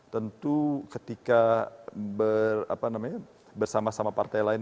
tentu ketika bersama sama partai lain